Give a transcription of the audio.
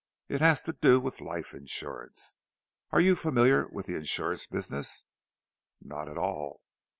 "It has to do with life insurance. Are you familiar with the insurance business?" "Not at all."